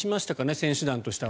選手団としては。